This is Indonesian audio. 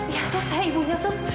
ya sus ya ibu ya sus